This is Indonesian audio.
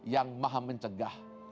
yang maha mencegah